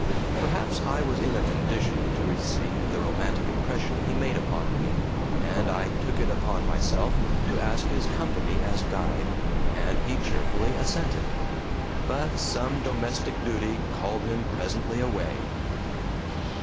Perhaps I was in a condition to receive the romantic impression he made upon me, and I took it upon myself to ask his company as guide, and he cheerfully assented. But some domestic duty called him presently away.